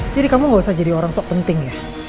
jadi kamu gak usah jadi orang sok penting ya